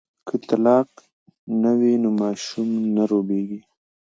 که طلاق نه وي نو ماشوم نه روبیږي.